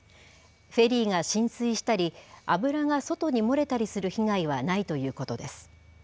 フェリーが浸水したり、油が外に漏れたりする被害はないということです。